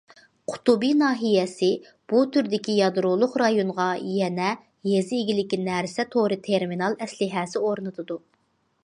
قۇتۇبى ناھىيەسى بۇ تۈردىكى يادرولۇق رايونغا يەنە يېزا ئىگىلىكى نەرسە تورى تېرمىنال ئەسلىھەسى ئورنىتىدۇ.